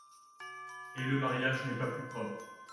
Et le mariage n'est pas plus propre.